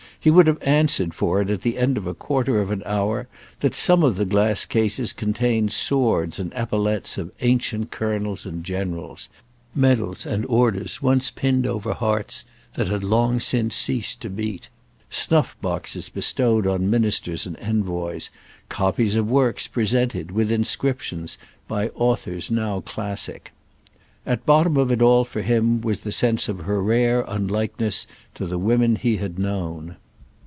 He would have answered for it at the end of a quarter of an hour that some of the glass cases contained swords and epaulettes of ancient colonels and generals; medals and orders once pinned over hearts that had long since ceased to beat; snuff boxes bestowed on ministers and envoys; copies of works presented, with inscriptions, by authors now classic. At bottom of it all for him was the sense of her rare unlikeness to the women he had known.